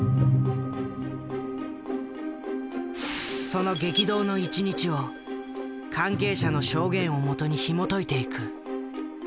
その激動の一日を関係者の証言をもとにひもといていく。